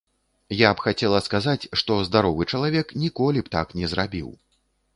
Я б хацела сказаць, што здаровы чалавек ніколі б так не зрабіў.